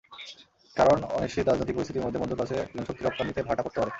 কারণ, অনিশ্চিত রাজনৈতিক পরিস্থিতির মধ্যে মধ্যপ্রাচ্যে জনশক্তি রপ্তানিতে ভাটা পড়তে পারে।